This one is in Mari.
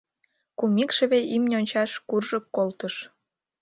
Кум икшыве имне ончаш куржык колтыш.